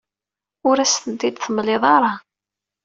Ur as-tent-id-temliḍ ara.